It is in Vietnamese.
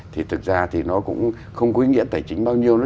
thì thực ra thì nó cũng không có ý nghĩa tài chính bao nhiêu lắm